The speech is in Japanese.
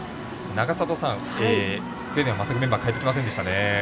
永里さん、スウェーデンは全くメンバー変えてきませんでしたね。